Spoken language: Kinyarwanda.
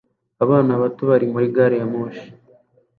Abana bato bari muri gari ya moshi